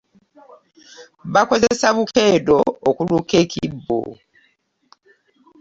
Bakozesa bukeedo okuluka ekibbo.